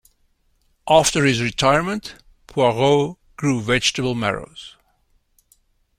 After his retirement, Poirot grew vegetable marrows.